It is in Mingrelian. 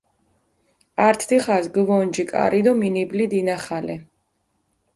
ართ დიხას გჷვონჯი კარი დო მინიბლი დინახალე.